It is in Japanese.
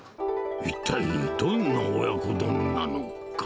一体、どんな親子丼なのか。